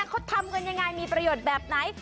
เขาทำกันยังไงมีประโยชน์แบบไหน